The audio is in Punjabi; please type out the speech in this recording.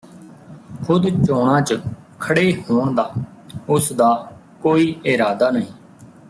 ਖੁਦ ਚੋਣਾਂ ਚ ਖੜ੍ਹੇ ਹੋਣ ਦਾ ਉਸ ਦਾ ਕੋਈ ਇਰਾਦਾ ਨਹੀਂ